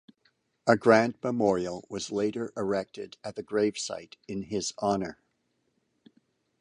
A grand memorial was later erected at the gravesite in his honour.